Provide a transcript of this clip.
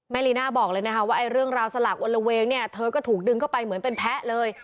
ลีน่าบอกเลยนะคะว่าเรื่องราวสลักอลละเวงเนี่ยเธอก็ถูกดึงเข้าไปเหมือนเป็นแพ้เลย